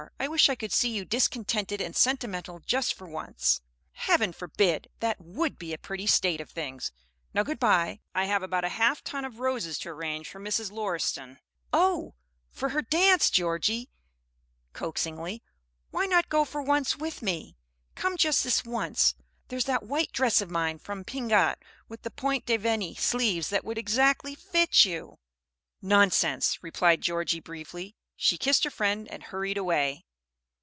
I wish I could see you discontented and sentimental just for once!" "Heaven forbid! That would be a pretty state of things! Now good by. I have about half a ton of roses to arrange for Mrs. Lauriston." "Oh, for her dance! Georgie," coaxingly, "why not go for once with me? Come, just this once. There's that white dress of mine from Pingat, with the Point de Venie sleeves, that would exactly fit you." "Nonsense!" replied Georgie, briefly. She kissed her friend and hurried away.